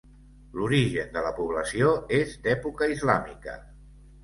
L'origen de la població és d'època islàmica.